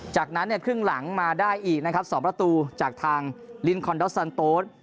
จากนั้นเนี่ยครึ่งหลังมาได้อีกนะครับ๒ประตูจากทางลินคอนดอสซันโต๊ด